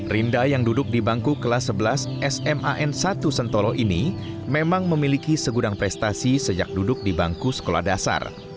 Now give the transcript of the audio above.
rinda yang duduk di bangku kelas sebelas sman satu sentolo ini memang memiliki segudang prestasi sejak duduk di bangku sekolah dasar